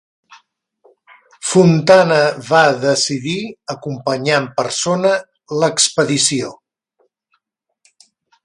Fontana va decidir acompanyar en persona l'expedició.